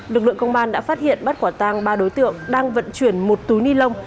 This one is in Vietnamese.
lực lượng công an đã phát hiện bắt quả tang ba đối tượng đang vận chuyển một túi ni lông